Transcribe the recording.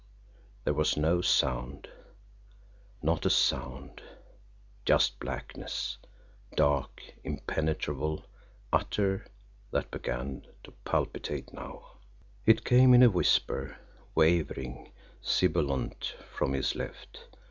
There was no sound not a sound just blackness, dark, impenetrable, utter, that began to palpitate now. It came in a whisper, wavering, sibilant from his left.